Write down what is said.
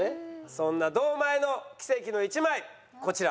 そんな堂前の奇跡の１枚こちら。